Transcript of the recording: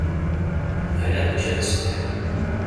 Ala mačči d asetḥi.